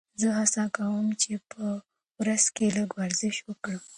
زه هڅه کوم چې په ورځ کې لږ ورزش وکړم.